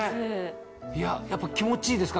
やっぱ気持ちいいですか？